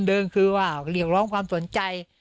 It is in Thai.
คือว่าเรียกร้องความสนใจ